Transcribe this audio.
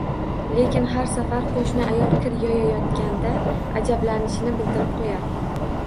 Lekin har safar qoʻshni ayol kir yoyayotganda ajablanishini bildirib qoʻyar